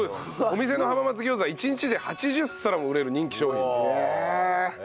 お店の浜松餃子は１日で８０皿も売れる人気商品という。